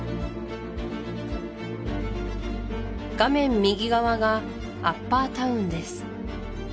画面右側がアッパータウンです